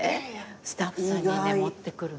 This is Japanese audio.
スタッフさんにね持ってくるの。